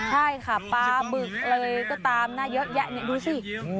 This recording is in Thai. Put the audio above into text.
ใช่ค่ะปลาบึกเลยก็ตามน่าเยอะแยะดูสิ